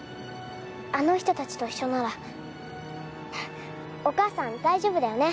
あの人たちと一緒ならお母さん、大丈夫だよね！